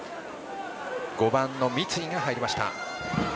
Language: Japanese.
５番の三井が入りました。